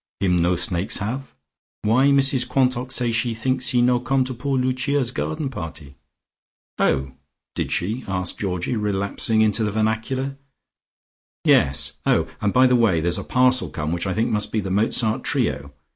Him no snakes have? Why Mrs Quantock say she thinks he no come to poo' Lucia's party garden?" "Oh, did she?" asked Georgie relapsing into the vernacular. "Yes, oh, and by the way there's a parcel come which I think must be the Mozart trio.